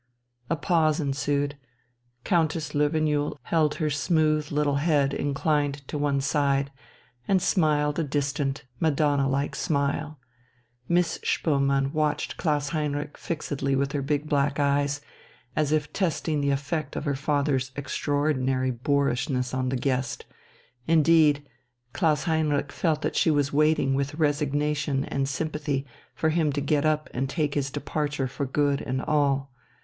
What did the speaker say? A pause ensued. Countess Löwenjoul held her smooth little head inclined to one side, and smiled a distant Madonna like smile. Miss Spoelmann watched Klaus Heinrich fixedly with her big black eyes, as if testing the effect of her father's extraordinary boorishness on the guest, indeed, Klaus Heinrich felt that she was waiting with resignation and sympathy for him to get up and take his departure for good and all.